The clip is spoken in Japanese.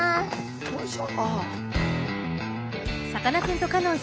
よいしょ。